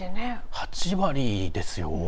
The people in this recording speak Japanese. ８割ですよ。